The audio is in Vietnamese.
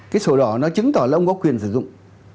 cái sổ đỏ nó chứng tỏ là ông có quyền sử dụng